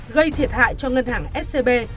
gây thiệt hại cho ngân hàng scb